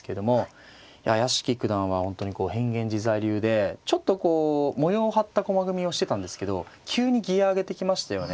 屋敷九段は本当にこう変幻自在流でちょっとこう模様を張った駒組みをしてたんですけど急にギヤ上げてきましたよね。